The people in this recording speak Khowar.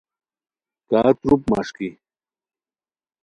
کا تروپ مݰکی